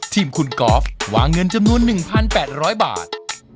ทีมคุณกอล์ฟวางเงินจำนวน๑๘๐๐บาท